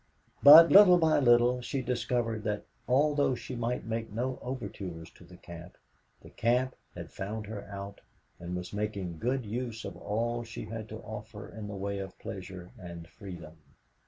But, little by little, she discovered that, although she might make no overtures to the camp, the camp had found her out and was making good use of all she had to offer in the way of pleasure and freedom.